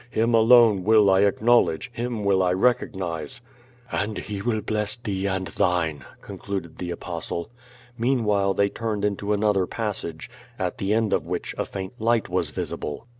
Him alone will I acknowledge. Him \\ill I recognize." "And He will bless thee and thine," concluded the Apos tle. Meanwhile, they turned into another passage, at the end of which a faint light was visible.